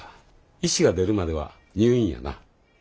石が出るまでは入院やな。